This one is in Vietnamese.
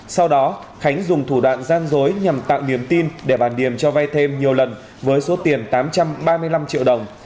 sau đó khánh dùng thủ đoạn gian dối nhằm tạo niềm tin để bà điềm cho vay thêm nhiều lần với số tiền tám trăm ba mươi năm triệu đồng